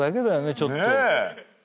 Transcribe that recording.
ちょっと。